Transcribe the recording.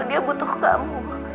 dia butuh kamu